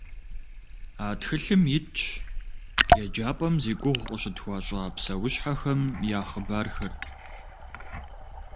А тхылъым итщ еджапӏэм зи гугъу къыщытхуащӏа псэущхьэхэм я хъыбархэр.